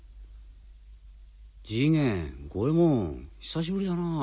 次元五ヱ門久しぶりだなぁ。